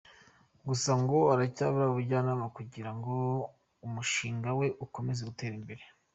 Gusa ngo aracyabura ubujyanama kugira ngo umushinga we ukomeze gutera imbere.